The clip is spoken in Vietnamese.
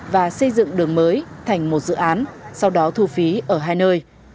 và xây dựng đường mới thành một dự án sau đó thu phí ở hai nơi